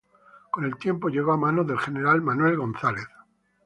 Con el tiempo llegó a manos del general Manuel González.